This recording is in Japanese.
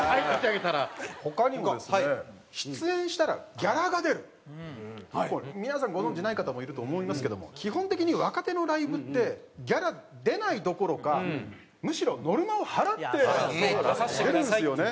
他にもですね出演したら皆さんご存じない方もいると思いますけども基本的に若手のライブってギャラ出ないどころかむしろノルマを払って出るんですよね。